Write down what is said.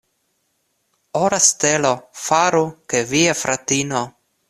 Ora stelo, faru, ke via fratino.